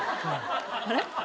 あれ？